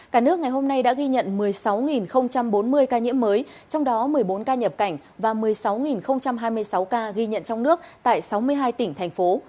cả nước ngày hôm nay đã ghi nhận một mươi sáu bốn mươi ca nhiễm mới trong đó một mươi bốn ca nhập cảnh và một mươi sáu hai mươi sáu ca ghi nhận trong nước tại sáu mươi hai tỉnh thành phố